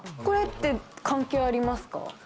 これって関係ありますか？